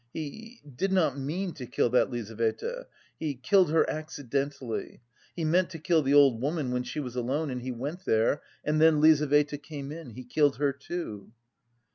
"He... did not mean to kill that Lizaveta... he... killed her accidentally.... He meant to kill the old woman when she was alone and he went there... and then Lizaveta came in... he killed her too."